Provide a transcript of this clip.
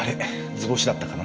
図星だったかな？